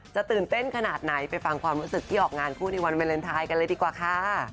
ตื่นเต้นขนาดไหนไปฟังความรู้สึกที่ออกงานคู่ในวันวาเลนไทยกันเลยดีกว่าค่ะ